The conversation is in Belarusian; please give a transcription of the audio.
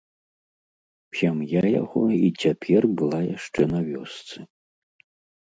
Сям'я яго і цяпер была яшчэ на вёсцы.